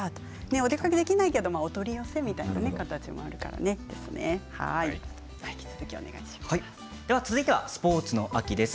お出かけはできなくてもお取り寄せという形が続いてはスポーツの秋です。